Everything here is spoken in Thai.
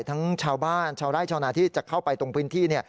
ทั้งชาวบ้านชาวไร่ชาวนาที่จะเข้าไปตรงพื้นที่